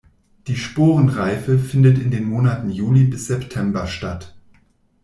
Die Sporenreife findet in den Monaten Juli bis September statt.